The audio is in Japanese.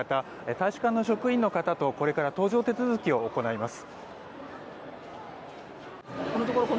大使館の職員の方とこれから搭乗手続きを行います。